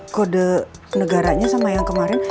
kode negaranya sama yang kemarin